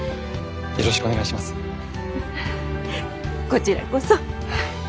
こちらこそ。